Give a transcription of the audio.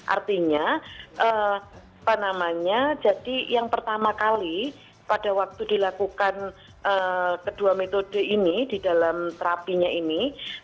artinya apa namanya jadi yang pertama kali pada waktu dilakukan kedua metode ini di dalam terapinya ini